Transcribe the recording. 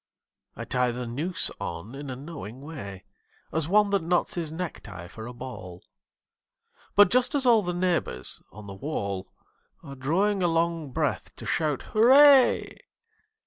I tie the noose on in a knowing way As one that knots his necktie for a ball; But just as all the neighbours on the wall Are drawing a long breath to shout 'Hurray!'